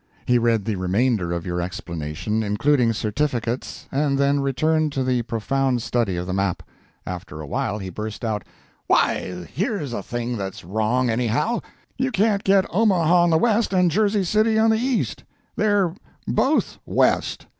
He read the remainder of your explanation, including certificates, and then returned to the profound study of the map. After a while he burst out: "'Why, here's a thing that's wrong, anyhow! You can't get Omaha on the west and Jersey City on the east. They're both west.